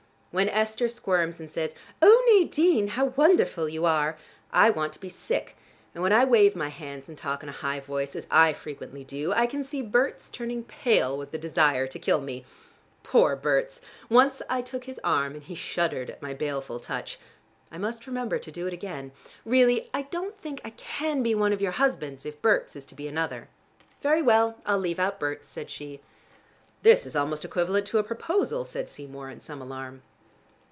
When Esther squirms and says, 'O Nadine, how wonderful you are,' I want to be sick, and when I wave my hands and talk in a high voice as I frequently do, I can see Berts turning pale with the desire to kill me. Poor Berts! Once I took his arm and he shuddered at my baleful touch. I must remember to do it again. Really, I don't think I can be one of your husbands if Berts is to be another." "Very well: I'll leave out Berts," said she. "This is almost equivalent to a proposal," said Seymour in some alarm.